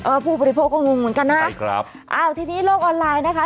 ผู้บริโภคก็งงเหมือนกันนะครับอ้าวทีนี้โลกออนไลน์นะคะ